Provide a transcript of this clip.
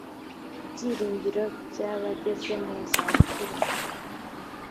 ibyiringiro by abageze mu za bukuru